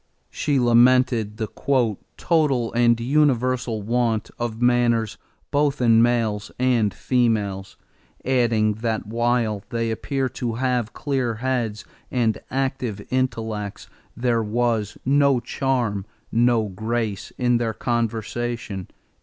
She lamented the "total and universal want of manners both in males and females," adding that while "they appear to have clear heads and active intellects," there was "no charm, no grace in their conversation."